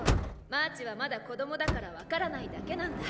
マーチはまだ子供だから分からないだけなんだ。